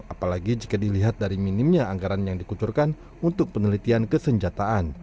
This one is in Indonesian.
apalagi jika dilihat dari minimnya anggaran yang dikucurkan untuk penelitian kesenjataan